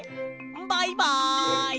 バイバイ！